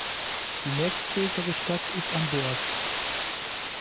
Die nächstgrößere Stadt ist Amboise.